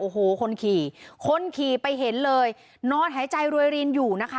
โอ้โหคนขี่คนขี่ไปเห็นเลยนอนหายใจรวยรินอยู่นะคะ